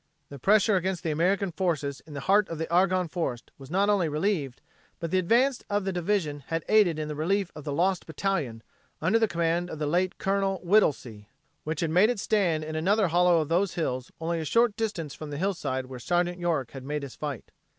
The pressure against the American forces in the heart of the Argonne Forest was not only relieved, but the advance of the division had aided in the relief of the "Lost Battalion" under the command of the late Col. Whittlesey, which had made its stand in another hollow of those hills only a short distance from the hillside where Sergeant York made his fight.